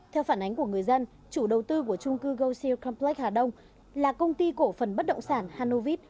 theo phản ánh của người dân chủ đầu tư của trung cư gold seal complex hà đông là công ty cổ phần bất động sản hanovit